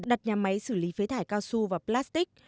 đặt nhà máy xử lý phế thải cao su và plastic